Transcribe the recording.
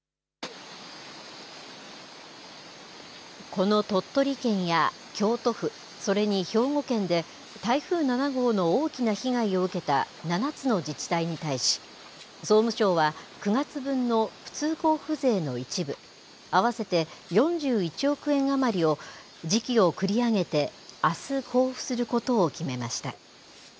この鳥取県や京都府、それに兵庫県で、台風７号の大きな被害を受けた７つの自治体に対し、総務省は９月分の普通交付税の一部、合わせて４１億円余りを、時期を繰り上げて、あす交付することを決めました。